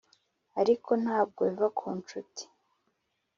ariko ntabwo biva ku nshuti